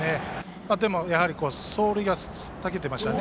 でも走塁がたけていましたね。